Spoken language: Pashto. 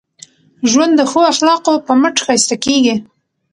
ژوند د ښو اخلاقو په مټ ښایسته کېږي.